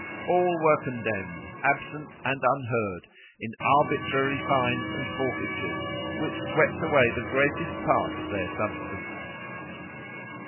All were condemned, absent and unheard, in arbitrary fines and forfeitures, which swept away the greatest part of their substance.